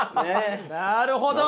なるほど！